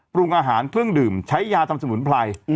ปรุงอาหารเครื่องดื่มใช้ยาทำสมุนไพร